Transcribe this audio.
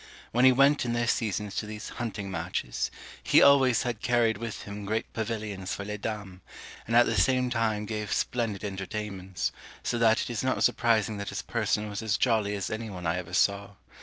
When he went in their seasons to these hunting matches, he always had carried with him great pavilions for les dames, and at the same time gave splendid entertainments; so that it is not surprising that his person was as jolly as any one I ever saw.